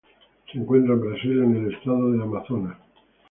Se encuentra en Brasil en el Estado de Amazonas.